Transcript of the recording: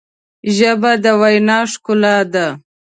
ژبه د وینا ښکلا ده